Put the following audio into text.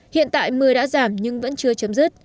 hiện tại mưa đã giảm nhưng vẫn chưa chấm dứt